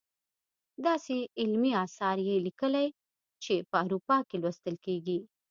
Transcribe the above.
داسې علمي اثار یې لیکلي چې په اروپا کې لوستل کیږي.